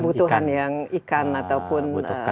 kebutuhan yang ikan ataupun